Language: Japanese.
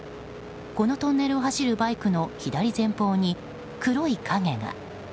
このトンネルを走るバイクの左前方に黒い影が。